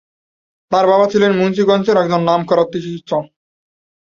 তার বাবা ছিলেন মুন্সিগঞ্জের একজন নামকরা চিকিৎসক।